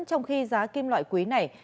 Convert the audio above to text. trong khi giá kim loại quý này